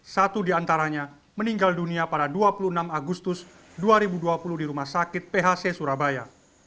satu di antaranya meninggal dunia pada dua puluh enam agustus dua ribu dua puluh di rumah sakit phc surabaya